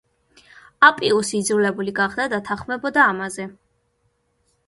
აპიუსი იძულებული გახდა დათანხმებოდა ამაზე.